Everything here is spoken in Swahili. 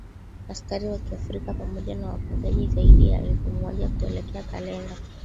Askari Wa kiafrika pamoja na wapagaji zaidi ya elfu moja kuelekea Kalenga